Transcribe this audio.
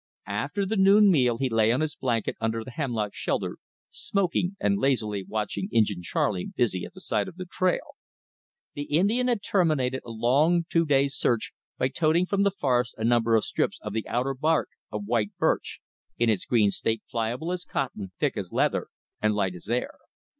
After the noon meal he lay on his blanket under the hemlock shelter, smoking and lazily watching Injin Charley busy at the side of the trail. The Indian had terminated a long two days' search by toting from the forest a number of strips of the outer bark of white birch, in its green state pliable as cotton, thick as leather, and light as air.